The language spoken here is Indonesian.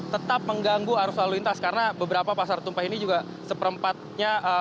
tetap mengganggu arus lalu lintas karena beberapa pasar tumpah ini juga seperempatnya